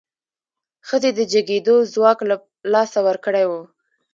ښځې د جګېدو ځواک له لاسه ورکړی و.